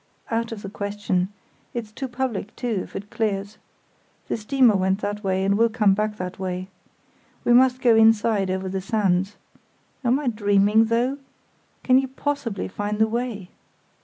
"Out of the question; it's too public, too, if it clears. The steamer went that way, and will come back that way. We must go inside over the sands. Am I dreaming, though? Can you possibly find the way?"